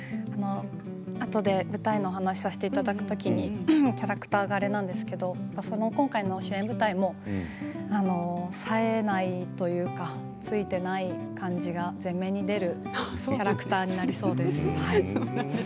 あとで舞台のお話をさせていただくときにキャラクターがあれなんですけど今回の主演舞台もさえないというかついていない感じが前面に出るキャラクターになりそうです。